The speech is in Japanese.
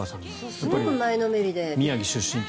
すごく前のめりで。